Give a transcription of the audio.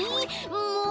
もう！